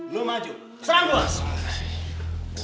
lo maju serang gue